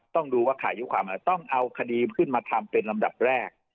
ต้องดูว่าขายยุคความอะไรต้องเอาคดีขึ้นมาทำเป็นลำดับแรก